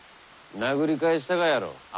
殴り返したがやろう。